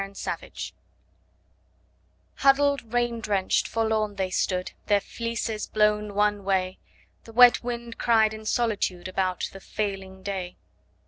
Y Z Sheep HUDDLED, rain drenched, forlorn they stood, Their fleeces blown one way; The wet wind cried in solitude About the failing day.